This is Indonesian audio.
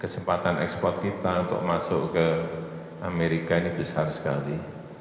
kesempatan ekspor kita untuk masuk ke amerika ini besar sekali